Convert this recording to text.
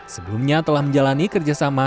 sebelumnya telah menjalani kerjasama